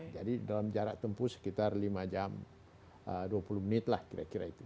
jadi dalam jarak tempuh sekitar lima jam dua puluh menit lah kira kira itu